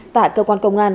tại cơ quan công an